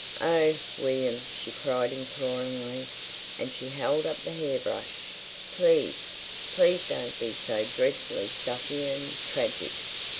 "Oh, William!" she cried imploringly, and she held up the hair brush: "Please! Please don't be so dreadfully stuffy and—tragic.